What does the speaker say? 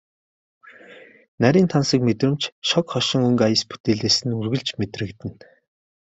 Нарийн тансаг мэдрэмж, шог хошин өнгө аяс бүтээлээс нь үргэлж мэдрэгдэнэ.